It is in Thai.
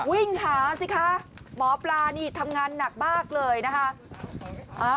วิ่งหาสิคะหมอปลานี่ทำงานหนักมากเลยนะคะ